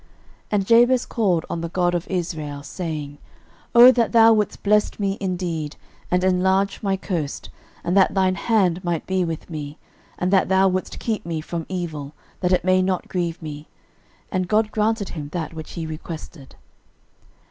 13:004:010 And Jabez called on the God of Israel, saying, Oh that thou wouldest bless me indeed, and enlarge my coast, and that thine hand might be with me, and that thou wouldest keep me from evil, that it may not grieve me! And God granted him that which he requested.